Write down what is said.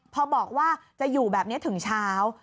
พอบอกว่าจะอยู่แบบนี้ถึงเช้า